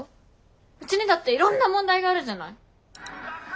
うちにだっていろんな問題があるじゃない。